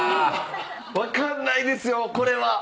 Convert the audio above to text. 分かんないですよこれは。